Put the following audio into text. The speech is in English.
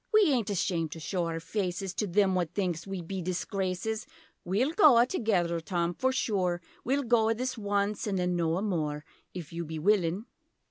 We aint ashamed to show our faces To them what thinks we be disgraces. We'll goa together Tom for sure We'll goa this once an' then noa more If you be willin'?